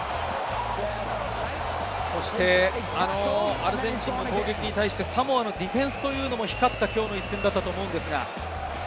アルゼンチンの攻撃に対してサモアのディフェンスも光った、きょうの一戦だったと思います。